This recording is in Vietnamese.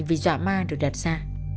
vì dọa ma được đặt ra